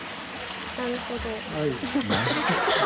「なるほど」。